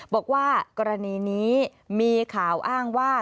บอกว่ากรณีนี้มีข่าวอ้างว่า